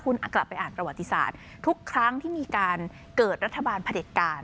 คุณกลับไปอ่านประวัติศาสตร์ทุกครั้งที่มีการเกิดรัฐบาลพระเด็จการ